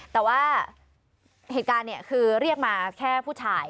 แต่ว่าเหตุการณ์เนี่ยคือเรียกมาแค่ผู้ชาย